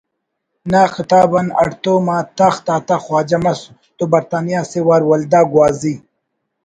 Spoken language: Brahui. نا خطاب آن ہڑتوم آ تخت آتا خواجہ مس تو برطانیہ اسہ وار ولدا گوازی